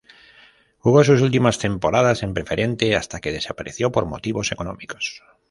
Jugó sus últimas temporadas en Preferente hasta que desapareció por motivos económicos.